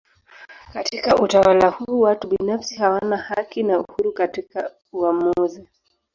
Katika utawala huu watu binafsi hawana haki na uhuru katika maamuzi.